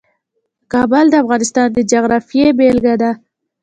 کابل د افغانستان د جغرافیې بېلګه ده.